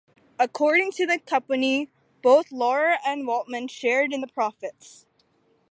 According to the company, both Laurer and Waltman shared in the profits.